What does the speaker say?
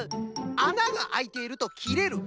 「あながあいている」と「きれる」。